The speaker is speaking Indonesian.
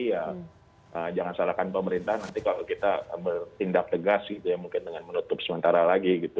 ya jangan salahkan pemerintah nanti kalau kita bertindak tegas gitu ya mungkin dengan menutup sementara lagi gitu